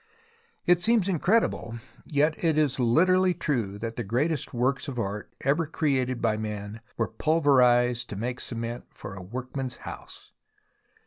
It seems 180 THE ROMANCE OF EXCAVATION incredible, yet it is literally true that the greatest works of art ever created by man were pulverized to make cement for a workman's house.